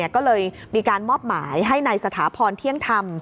ก็เลยมีการมอบหมายให้นายสถาพรเที่ยงธรรม